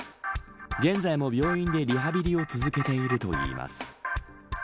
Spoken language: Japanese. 現在も病院でリハビリを続けているといいます。